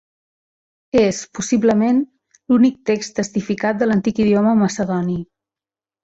És, possiblement, l'únic text testificat de l'antic idioma macedoni.